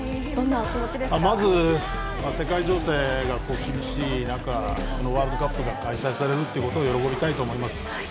まず、世界情勢が厳しい中ワールドカップが開催されることを喜びたいと思います。